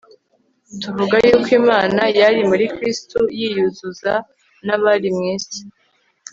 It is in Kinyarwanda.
Tuvuga yukw Imana yari muri Kristo yiyuzuza n abari mw isi